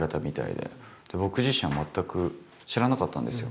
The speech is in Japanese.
で僕自身は全く知らなかったんですよ。